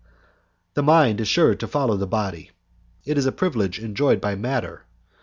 The mind is sure to follow the body; it is a privilege enjoyed by matter.